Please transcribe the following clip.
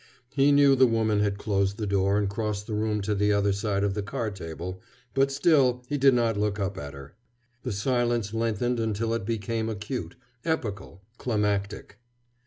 He knew the woman had closed the door and crossed the room to the other side of the card table, but still he did not look up at her. The silence lengthened until it became acute, epochal, climactic.